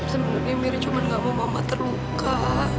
sebenarnya mira cuma nggak mau mama terluka